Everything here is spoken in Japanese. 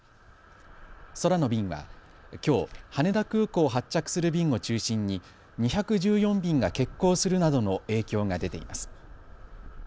空の便はきょう羽田空港を発着する便を中心に２１４便が欠航するなどの影響が出ています。